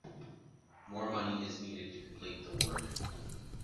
More money is needed to complete the work.